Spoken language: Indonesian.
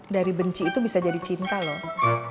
dari benci itu bisa jadi cinta loh